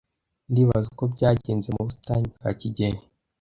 Ndibaza uko byagenze mu busitani bwa kigeli.